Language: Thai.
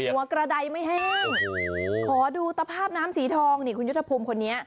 หัวกระดายไม่แห้งขอดูตภาพน้ำสีทองนี่คุณยุทธภูมิคนนี้